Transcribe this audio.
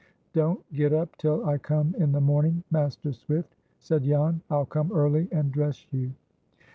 "Don't get up till I come in the morning, Master Swift," said Jan; "I'll come early and dress you."